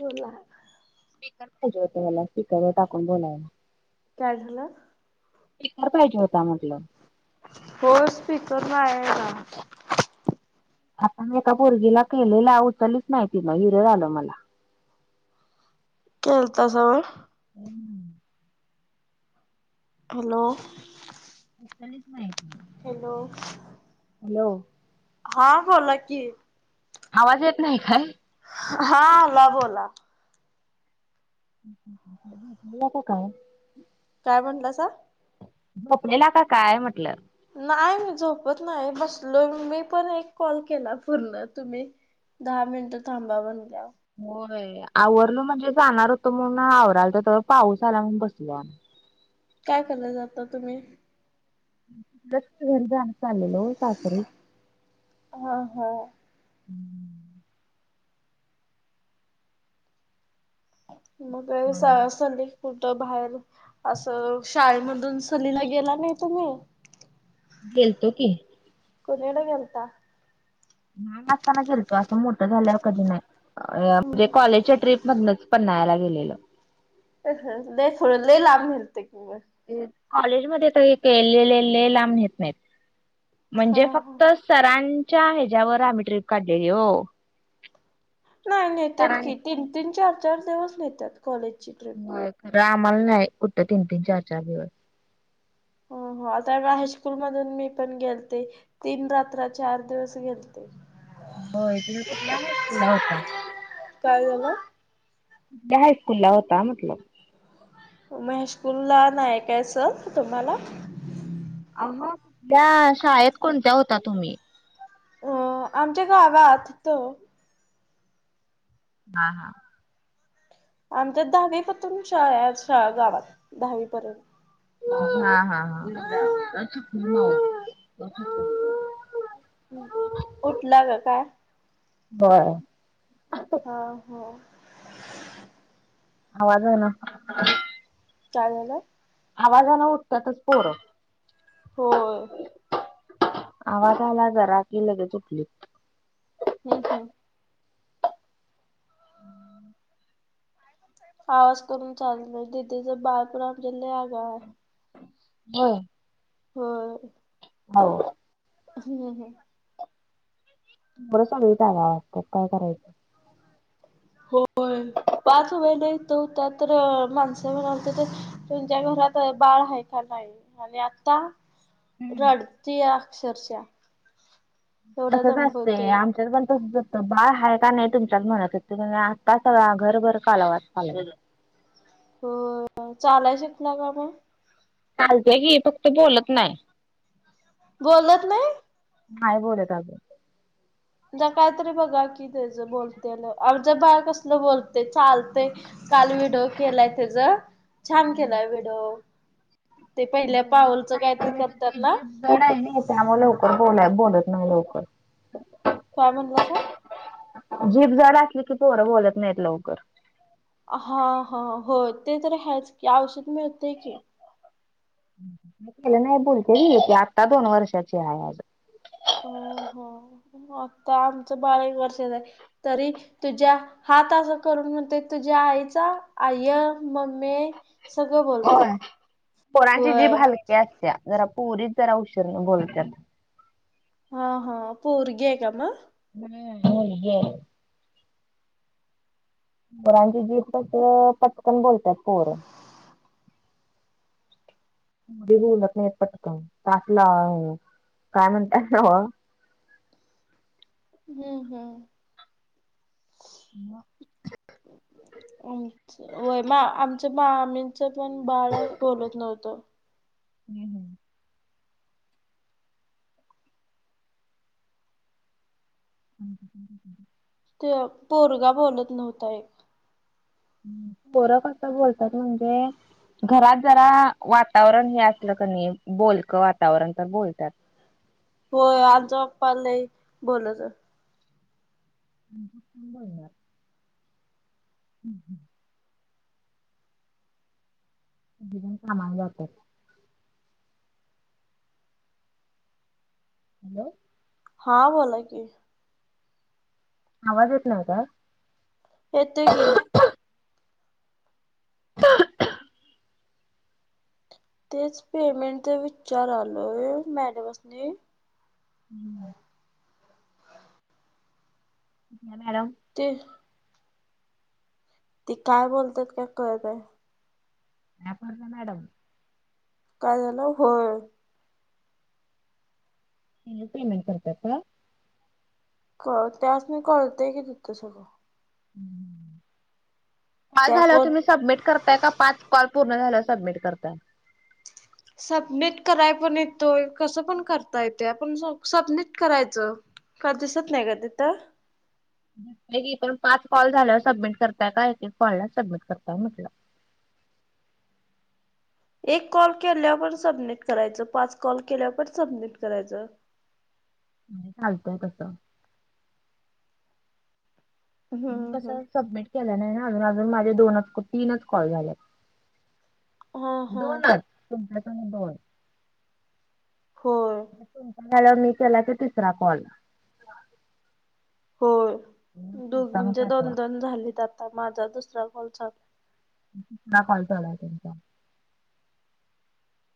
बोला स्पीकर पाहिजे होता मला स्पीकरवर टाकून बोलायला. काय झालं? स्पिकर पाहिजे होता म्हटलं. हो स्पीकर नाही ह्यला. आता मी एका पोरगीला केलेला उचलीच नाही तीनं, ईरेर आलं मला. केलतासा वय. [inaudible] हॅलो! कधीच नाही हॅलो! हॅलो! हा बोला की आवाज येत नाही काय? हां आला बोला. येता काय काय म्हणलासा? झोपलेला का काय म्हटलं? नाय मी झोपत नाय बसलो मी पण एक कॉल केला पूर्ण तुमी? दहा मिनटं थांबा म्हनल्याव होय आवरलं म्हणजे जाणार होतो म्हणून आवरालतं त पाऊस आला म्हणून बसलो आम् काय करालं जाता तुमी. [unintelligible] घरी जाणं चाललेलो सासरे हा हा. [unintelligible] मग [unintelligible] कुठं भायेर असं शाळेमधून सहलीला गेला नाय तुमी? गेलतो की. कुणीळं गेल्ता? लहान असताना गेल्तो, असं मोठं झाल्यावर कधी नाय, अंए् म्हणजे कॉलेजच्या ट्रीप मधनच. पण्याळाला गेलेलो. अ ह देखो लइ लांब घलते क म. कॉलेज मध्ये त हे केलेले लय लांब नेत न्हायत हा म्हणजे हा फक्त सरांच्या ह्याच्यावर आम्ही ट्रीप काढलेली हो. नाय नेत्यात सरांनी की तीन तीन चार चार दिवस नेत्यात कॉलेजची ट्री् होय खरं आमाला नाय कुठ तीन तीन चार चार दिवस. हो हो आता हायस्कूल मधून मी पण गेल्ते तीन रात्रा चार दिवस गेल् होय तुम्ही कुठल्या हायस्कूल ला होता? काय झालं? त्या हायस्कूल ला होता म्हटलं. महेशकूल्ला नाये का असं तुम्हाला? अहो या शाळेत कोणत्या होता तुमी? अ आमच्या गा गावात हुतो. हा हा. आमच्या दहावीपतुन शाळा शा गावात दहावीपर्यंत. हा हा हा [unintelligible] हुं उठला ग काय? होय. ह हो. आवाज आला. काय झालं? आवाजान उठतातच पोरं. हो. आवाज आला जरा की लगेच उठली. हम् हम्. आवाज करून चाललं दिदीच बाल पूराण [unintelligible] हा. हो. हाव. हम्म हम. [unintelligible] कस काय करायचं? होय पाच वेला हित होता तर माणसं म्हणाल त ते तुमच्या घरात बाळ हाय का नाई अणि आत्ता हम्म. रडती या अक्षरशः- एवढा तसंच असतय दंबवतोय. आमच्यात पण तस असतय- बाळ आहे का नाही तुमच्या म्हणत आत्ता सगळा घरभर कालावाज चाल- हो चालाय शिकला का मग- चालतय की फक्त बोलत नाही- बोलत नाही- नाही बोलत अजुन- कायतरी बघा कि त्याचं बोलते आमच बाळ कसलं बोलते, चालते काल व्हिडिओ केला त्याचा छान केलाय व्हिडीओ- ते पहिल्या पावलच काहीतरी करतात ना- त्यामुळे लवकर बोलाय बोलत नाही लवकर- काय म्हणलं सा- जीभ जड असली की पोरं बोलत नाहीत लवकर- हा हा हो ते तर ह्याच की औषध मिळते की- केलं नाही बोलते आत्ता दोन वर्षाची आहे आज- अ हो आता आमचं बाळ एक वर्षच आहे तरी- तुझ्या हात असं करून म्हणते तुझ्या आईचा आय, मम्मे- सगळं हो बोलतय पोरांची जीभ व्हय हालक्या असत्या जरा पोरीत जरा उशीरण बोलतेत- हा हा पोरगी आहे का मग- हम् मुलगीय- पोराची जीभ कस पटकन बोलतात पोर- मुली बोलत नाही पटकन तासला काय म्हणताय ना- हम्म हम्म आमच होय मग आमच- मामीचं पण बाळ बोलत नव्हतं- [unintelligible] ह [unintelligible] ते पोरगा बोलत नव्हता एक- पोरं कस बोलतात म्हणजे- घरात जरा वातावरण हे असलं कनाय बोलक वातावरण तर बोलतात- हो आमचा बाप्पाला बोलायचं- णार [unintelligible] हम् हम कामाला जातात. हॅलो- हा बोला की- आवाज येत नाही का? येतोय की- तेच पेमेंटचा विचार आलोय मॅडमसनी- मॅडम- ते- ती काय बोलतात काय कळतय- आकांक्षा मॅडम- काय झालं? होय. त्यानी पेमेंट करतात का? क, त्यास्नी कळतय की तिथं सगळं. कॉल त्या झाल्याव कोण तुम्ही सबमिट करताय का? पाच कॉल पूर्ण झाल्याव सबमिट करताय? सबनिट कराय पण येतोय. कसं पण करता येतय. आपण स सबनिट करायचं. का, दिसत नाही का, तिथं? की, एकूण पाच कॉल झाल्यावर सबमिट करताय का? एक - एक कॉलला सबमिट करताय म्हटलं. एक कॉल केल्यावर सबनीट करायचं. पाच कॉल केल्याव पण सबनिट करायचं. चालतंय, तसं? हम्म कसं हम्म सबमिट केलं नाही ना, अजून. अजून माझे दोनच का तीनच कॉल झालेत. हा हा दोनच? तुमच्या [unintelligible] दोन. होय. मग तुमचा झाल्यावर मी केला की, तिसरा कॉल. होय. मग चौथा मग दोघींचे पाचवा दोन - दोन झालेत आता. माझा दुसरा कॉल चाल [unintelligible] कॉल चालूय तुमचा.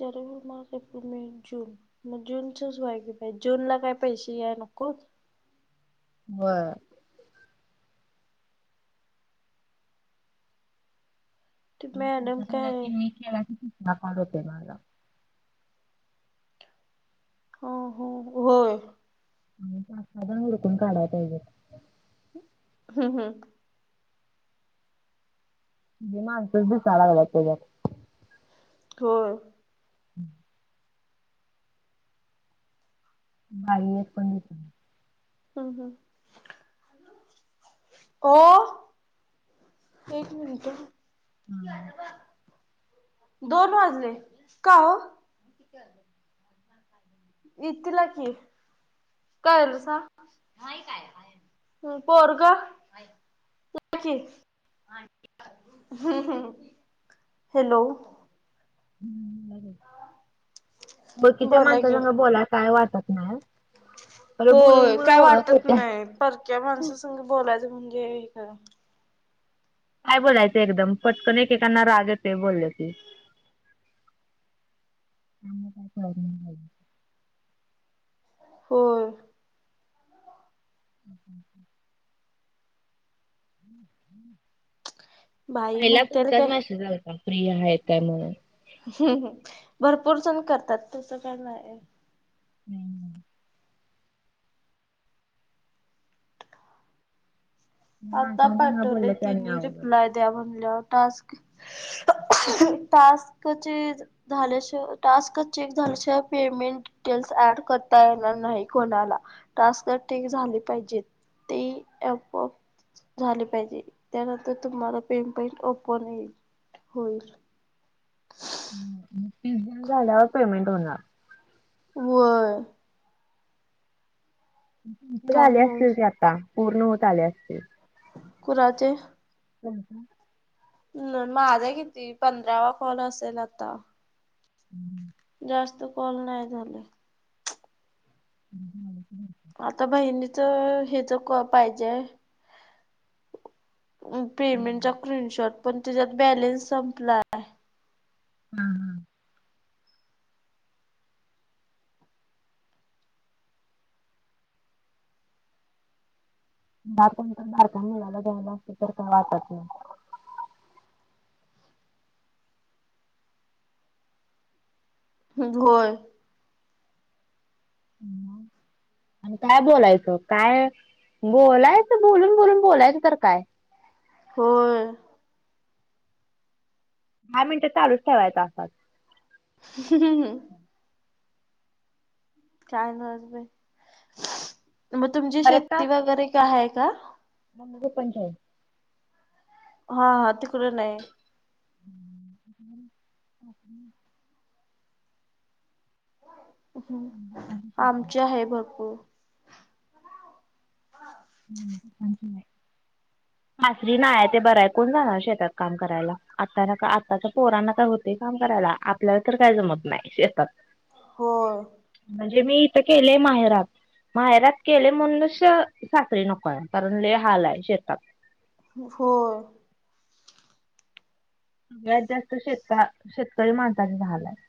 तरी बी, माझं पेमेंट जून मग जूनचच [unintelligible] की, जूनला काय पैसे या नकोत. व्हय. ते मॅडम तुमचा झाला काय कि मी केला की, तिसरा कॉल होतय माझा. हो, हो, होय. अजून पाच- सहा जण हुडकून काढाय पाहिजेत. हम्म, हम्. [unintelligible] माणसच दिसाला लागल्यात त्याच्यात. होय. [inaudible] बाई एक पण दिसत हम्, हम. ओ, एक मिनिटं अं. दोन वाजले. का, ओ? [unintelligible] येतिला की? काय झालं सांग? नाही काय? नाही. ह, पोरगं? [unintelligible] हं, हं. हॅलो. हं, बरंय. वळकीच्या बोला की माणसासंगं बोलायला काय वाटत नाय आ. होय. काय वाटत होत्या नाय. परक्या माणसासंगं बोलायचं म्हणजे, हे अ काय बोलायचं एकदम. पटकन एकेकांना राग येतोय बोल्लं की. त्यांना काय प्रॉब्लेम नाही. होय. [inaudible] बाई पहिला म्हणतेल तुमचाच काय मॅसेज आलता. फ्री हाय काय म्हणून. भरपूर जण करतात. तसं काय नाय. हम्मं हम्म. आता माणसांसंग पाठवलय बोललं की आणि तेनी, अवघड. रिप्लाय द्या म्हणल्यावर टास्क. टास्कं चे झाल्याशिवा टास्क चेक झाल्याशिवाय पेमेंट डिटेल्स ऍड करता येणार नाही कोणाला. टास्कं ठीक झाली पाहिजेत. ती ॲपोआप झाले पाहिजे. त्यानंतर तुम्हाला पे पेंट ओपन येईल. होईल. झाल्यावर पेमेन्ट होणार होय काय झाले नाही असतील ते आता पूर्ण होत आले असतील कुणाचे हम् हा न माझा किती पंधरावा कॉल असेल आता हम्म जास्त कॉल नाही झाले ह आता बहिणीच हेच क पाहिजे पेमेंटचा स्क्रीनशॉट पण त्याच्यात बॅलेन्स संपलाय हम तर मिळाला जायला असते तर काय वाटत नाही होय हम् आणि काय बोलायचं काय बोलायचं बोलून बोलून बोलायचं तर काय होय दहा मिनिटं चालूच ठेवायच असात हम् ह चायलस मग तुमची शेती वगैरे काय हाय का मग पंचायत हा हा तिकडे नाही हम्म आप हम् आमचे आहे भरपूर हम् नंत आसरी नाय ते बरय कोण जाणार शेतात काम करायला आता न का आत्ताच्या पोरांना का होते काम करायला आपल्याला तर काय जमत नाही शेतात हो म्हणजे मी इथं केले माहेरात माहेरात केले म्हणून श सासरी नको आहे कारण ले हाल आहे शेतात होय सगळ्यात जास्त शेतका शेतकरी माणसाचे हाल आहेत